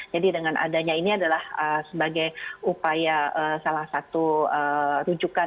jadi dengan adanya ini adalah sebagai upaya salah satu rujukan